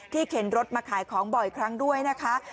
เข็นรถมาขายของบ่อยครั้งด้วยนะคะ